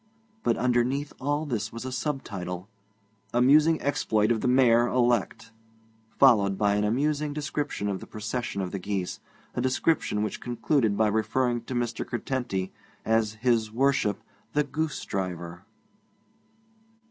But underneath all this was a sub title, 'Amusing Exploit of the Mayor elect,' followed by an amusing description of the procession of the geese, a description which concluded by referring to Mr. Curtenty as His Worship the Goosedriver.